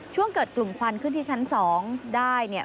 ช่วงเกิดกลุ่มควันขึ้นที่ชั้น๒ได้เนี่ย